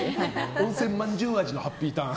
温泉まんじゅう味のハッピーターン。